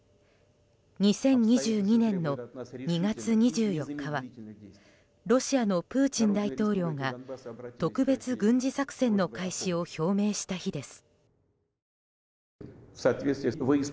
２０２２年の２月２４日はロシアのプーチン大統領が特別軍事作戦の開始を表明した日です。